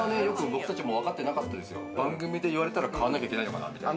番組で言われたら買わなきゃいけないのかなって。